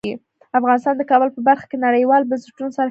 افغانستان د کابل په برخه کې نړیوالو بنسټونو سره کار کوي.